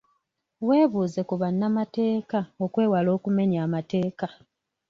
Webuuze ku bannamateeka okwewala okumenya amateeka.